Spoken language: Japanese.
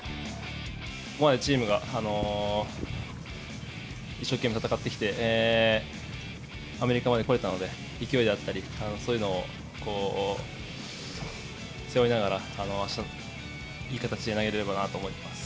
ここまでチームが一生懸命戦ってきて、アメリカまで来れたので、勢いであったり、そういうのを背負いながら、あした、いい形で投げれればなと思います。